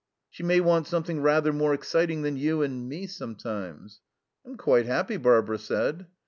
"She may want something rather more exciting than you and me, sometimes." "I'm quite happy," Barbara said.